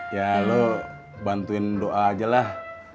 ya lo bantuin doa aja lah